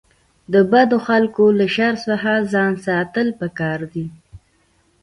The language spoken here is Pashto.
د بدو خلکو له شر څخه ځان ساتل پکار دي.